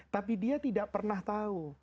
tapi dia tidak pernah tahu